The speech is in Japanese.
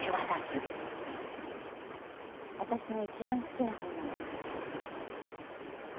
私の一番好きな本なの。